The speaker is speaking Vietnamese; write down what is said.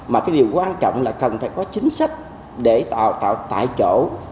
mà cái điều quan trọng là cần phải có chính sách để tạo tại chỗ của các doanh nghiệp